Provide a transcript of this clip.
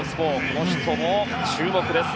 この人も注目です。